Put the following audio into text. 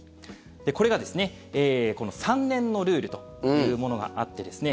これが、３年のルールというものがあってですね